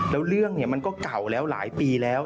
แล้วเรื่องเนี่ยมันก็เก่าแล้วหลายปีแล้ว